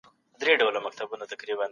د مجوسيانو د اختر تعظيم کول کفر دی